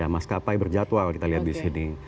maskapai berjadwal kita lihat di sini